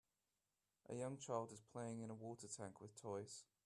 A young child is playing in a water tank with toys